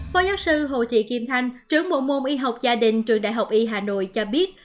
phó giáo sư hồ thị kim thanh trưởng bộ môn y học gia đình trường đại học y hà nội cho biết